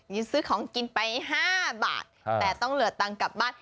นี่ซื้อของกินไป๕บาทแต่ต้องเหลือตังค์กลับบ้าน